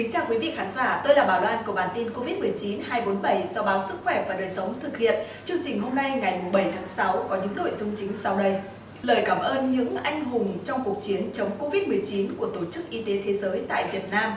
hãy đăng ký kênh để ủng hộ kênh của chúng mình nhé